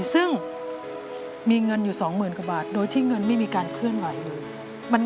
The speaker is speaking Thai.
ซึ่งมีเงินอยู่๒๐๐๐กว่าบาทโดยที่เงินไม่มีการเคลื่อนไหวเลย